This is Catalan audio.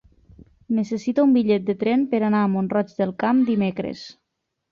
Necessito un bitllet de tren per anar a Mont-roig del Camp dimecres.